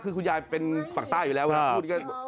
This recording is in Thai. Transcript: คุณยายเป็นภาคใต้อยู่แล้วนะพูดอย่างนี้